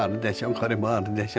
これもあるでしょ」